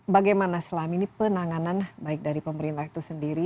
bagaimana selama ini penanganan baik dari pemerintah itu sendiri